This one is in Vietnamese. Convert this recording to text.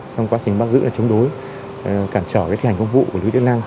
trong quá trình bắt giữ là chống đối cản trở thi hành công vụ của đối tượng năng